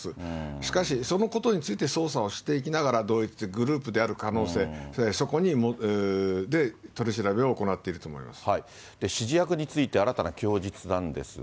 しかしそのことについて捜査をしていきながら、同一グループである可能性、指示役について、新たな供述なんですが。